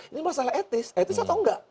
ini masalah etis etis atau enggak